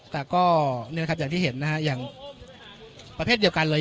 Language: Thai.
แต่ก็เนี่ยนะครับอย่างที่เห็นนะฮะอย่างประเภทเดียวกันเลย